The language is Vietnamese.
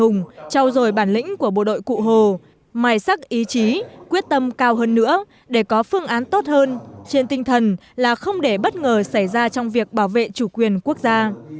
ngoài sắc ý chí quyết tâm cao hơn nữa để có phương án tốt hơn trên tinh thần là không để bất ngờ xảy ra trong việc bảo vệ chủ quyền quốc gia